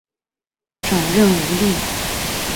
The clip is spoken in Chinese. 转任吴令。